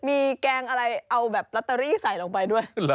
มีแกงอะไรเอาแบบลอตเตอรี่ใส่ลงไปด้วย